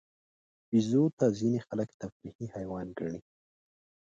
بیزو ته ځینې خلک تفریحي حیوان ګڼي.